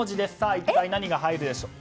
一体何が入るでしょうか。